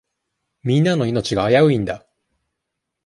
みんなの命が危ういんだ。